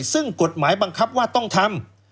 ซึ่งกฎหมายบังคับว่าต้องทำ